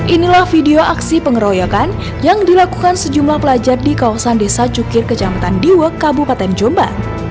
inilah video aksi pengeroyokan yang dilakukan sejumlah pelajar di kawasan desa cukir kecamatan diwek kabupaten jombang